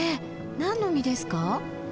何の実ですか？